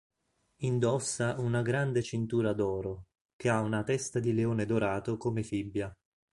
Indossa una grande cintura d'oro, che ha una testa di leone dorato come fibbia.